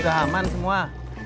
udah aman semua